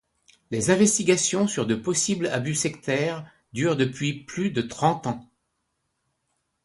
Les investigations sur de possibles abus sectaires durent depuis plus de trente ans.